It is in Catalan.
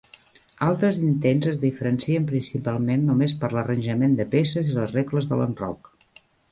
Altres intents es diferencien principalment només per l'arranjament de peces i les regles de l'enroc.